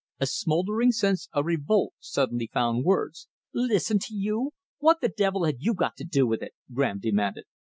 A smouldering sense of revolt suddenly found words. "Listen to you? What the devil have you got to do with it?" Graham demanded.